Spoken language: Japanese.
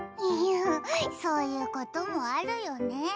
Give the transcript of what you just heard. そういうこともあるよね。